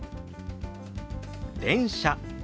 「電車」。